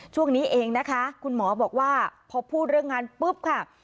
ช่วงนี้เองนะคะคุณหมอบอกว่าพอพูดเรื่องงานปุ๊บค่ะ